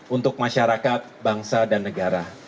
untuk masyarakat bangsa dan negara